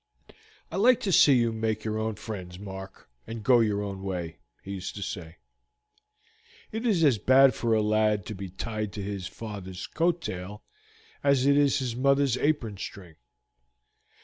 "I like to see you make your own friends, Mark, and go your own way," he used to say; "it is as bad for a lad to be tied to his father's coattail as at his mother's apron string.